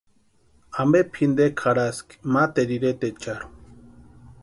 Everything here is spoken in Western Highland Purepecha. Ampe pʼintekwa jarhaski materu iretecharhu.